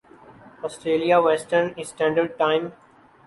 Australia western standard time